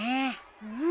うん。